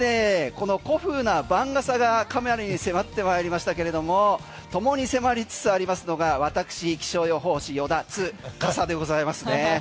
この古風な番傘がカメラに迫ってまいりましたけれどもともに迫りつつありますのが私、気象予報士依田司でございますね。